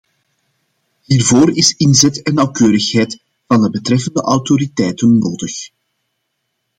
Hiervoor is inzet en nauwkeurigheid van de betreffende autoriteiten nodig.